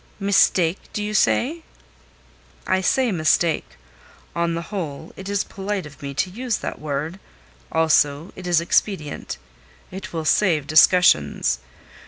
"Mistake, do you say?" "I say mistake. On the whole, it is polite of me to use that word. Also it is expedient. It will save discussions.